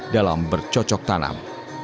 dalam bercocok tanam